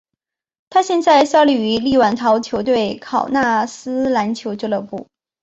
他现在效力于立陶宛球队考纳斯篮球俱乐部。